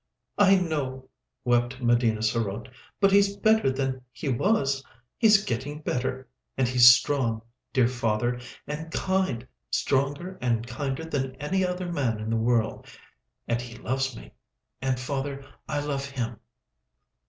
"I know," wept Medina sarote. "But he's better than he was. He's getting better. And he's strong, dear father, and kind—stronger and kinder than any other man in the world. And he loves me—and, father, I love him."